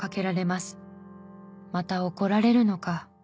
「また怒られるのか」。